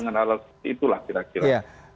dengan hal hal seperti itulah kira kira